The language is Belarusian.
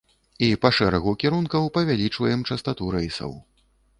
І па шэрагу кірункаў павялічваем частату рэйсаў.